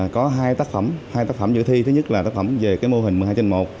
có hai tác phẩm dự thi thứ nhất là tác phẩm về mô hình một mươi hai chân một